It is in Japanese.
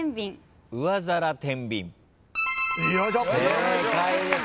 正解です。